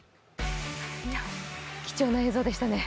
貴重な映像でしたね。